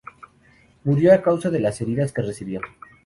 Murió a causa de las heridas que recibió.